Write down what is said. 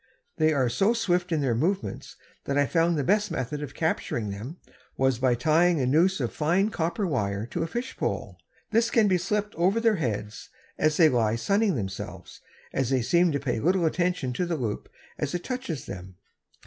They are so swift in their movements that I found the best method of capturing them was by tying a noose of fine copper wire to a fish pole. This can be slipped over their heads, as they lie sunning themselves, as they seem to pay but little attention to the loop as it touches them.